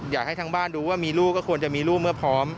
อยากให้ทางบ้านดูว่ามีลูกก็ควรจะมีลูกเมื่อพร้อม